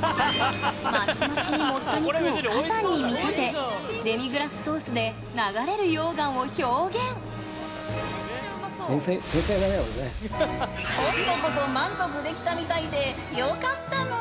マシマシに盛った肉を火山に見立てデミグラスソースで流れる溶岩を表現今度こそ満足できたみたいでよかったぬん。